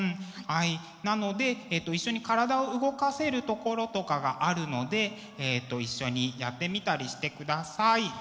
なので一緒に体を動かせるところとかがあるので一緒にやってみたりしてください。